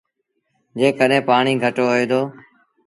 جيڪڏهين پآڻيٚ گھٽ هوئي دو۔